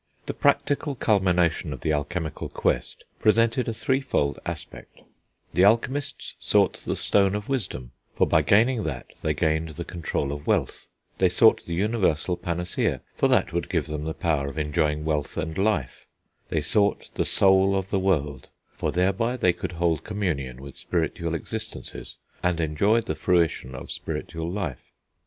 The practical culmination of the alchemical quest presented a threefold aspect; the alchemists sought the stone of wisdom, for by gaining that they gained the control of wealth; they sought the universal panacea, for that would give them the power of enjoying wealth and life; they sought the soul of the world, for thereby they could hold communion with spiritual existences, and enjoy the fruition of spiritual life.